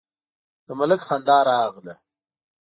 د ملک خندا راغله: